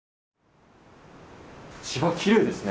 芝きれいですね。